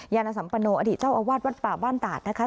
ยานสัมปโนอดีตเจ้าอาวาสวัดป่าบ้านตาดนะคะ